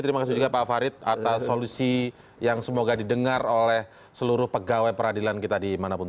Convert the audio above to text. terima kasih juga pak farid atas solusi yang semoga didengar oleh seluruh pegawai peradilan kita dimanapun